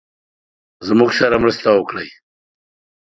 زموږ سره مرسته وکړی.